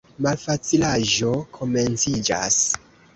Malfacilaĵo komenciĝas.